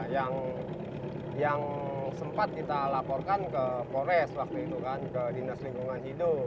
yang sempat kita laporkan ke pores waktu itu kan ke dinas lingkungan hidup